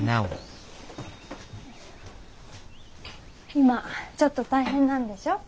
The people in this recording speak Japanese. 今ちょっと大変なんでしょ？